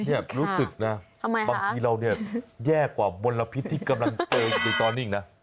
นี่รู้สึกนะบางทีเราเนี่ยแย่กว่ามลพิษที่กำลังเจออยู่ในตอนนี้อีกนะ